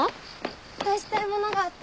渡したいものがあって。